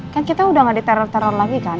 kan kita udah gak diteror teror lagi kan